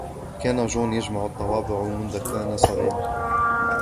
كان جون يجمع الطوابع مذ كان صغيرًا.